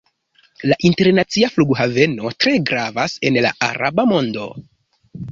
La internacia flughaveno tre gravas en la araba mondo.